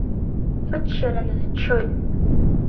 Хыччараны дыччоит.